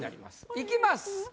いきます。